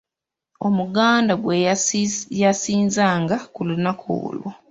Omuganda gwe yasinzanga ku lunaku olwo.